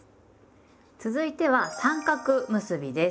続いては「三角結び」です。